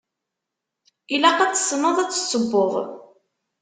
Ilaq ad tessneḍ ad tessewweḍ.